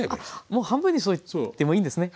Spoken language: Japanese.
もう半分にしといてもいいんですね！